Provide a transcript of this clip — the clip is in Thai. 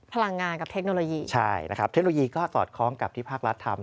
พลังงานกับเทคโนโลยีใช่นะครับเทคโนโลยีก็สอดคล้องกับที่ภาครัฐทำ